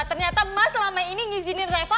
ternyata mas selama ini ngizinin travel